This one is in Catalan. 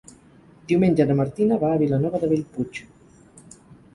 Diumenge na Martina va a Vilanova de Bellpuig.